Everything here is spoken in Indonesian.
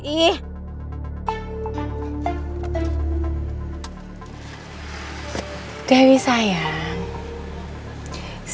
siap siap kamu menerima kejutanmu